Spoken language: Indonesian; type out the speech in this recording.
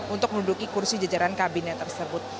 untuk menuduki kursi jajaran kabinet tersebut